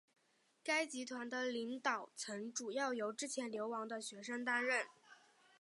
该集团的领导层主要由之前流亡的学生担任。